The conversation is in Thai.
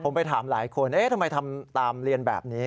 ผมไปถามหลายคนเอ๊ะทำไมทำตามเรียนแบบนี้